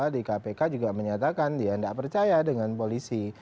di kpk juga menyatakan dia tidak percaya dengan polisi